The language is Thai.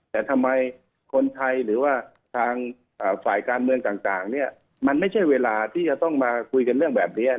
แต่ทำไมคนไทยหรือว่าทางฝ่ายการเมืองต่างมันไม่ใช่เวลาที่จะต้องมาคุยกันเรื่องแบบนี้